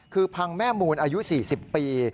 คือพังแม่มูลอายุ๔๐ปี